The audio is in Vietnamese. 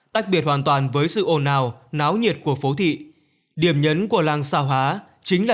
tách biệt hoàn toàn với sự ồn ào náo nhiệt của phố thị điểm nhấn của làng xa hóa chính là